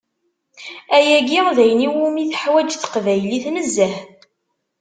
Ayagi d ayen iwumi teḥwaǧ teqbaylit nezzeh.